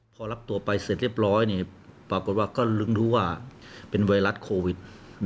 พอรับตัวไปเสร็จเรียบร้อยปรากฏว่าก็ลึงรู้ว่าเป็นไวรัสโควิด